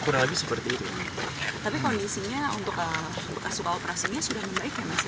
tapi kondisinya untuk kasus operasinya sudah membaik ya mas ya